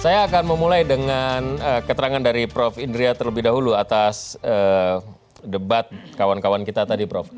saya akan memulai dengan keterangan dari prof indria terlebih dahulu atas debat kawan kawan kita tadi prof